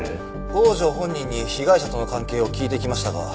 郷城本人に被害者との関係を聞いてきましたが。